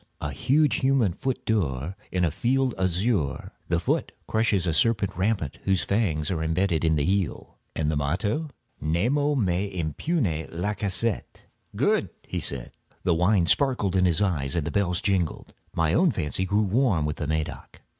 "A huge human foot d'or, in a field azure; the foot crushes a serpent rampant whose fangs are imbedded in the heel." "And the motto?" "Nemo me impune lacessit." "Good!" he said. The wine sparkled in his eyes and the bells jingled. My own fancy grew warm with the Medoc.